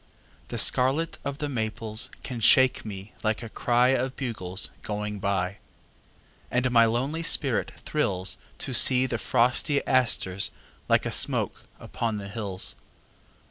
The scarlet of the maples can shake me like a cry Of bugles going by. And my lonely spirit thrills To see the frosty asters like a smoke upon the hills.